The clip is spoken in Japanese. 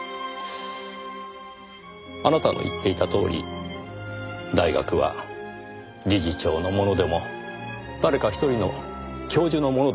あなたの言っていたとおり大学は理事長のものでも誰か一人の教授のものでもありません。